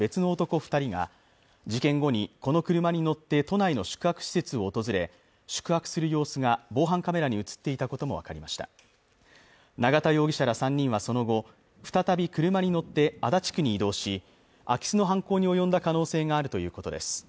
二人が事件後にこの車に乗って都内の宿泊施設を訪れ宿泊する様子が防犯カメラに映っていたことも分かりました永田容疑者ら３人はその後再び車に乗って足立区に移動し空き巣の犯行に及んだ可能性があるということです